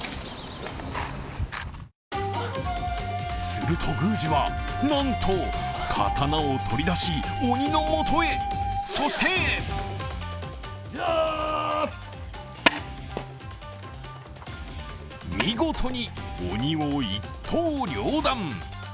すると、宮司はなんと刀を取り出し鬼のもとへ、そして見事に鬼を一刀両断。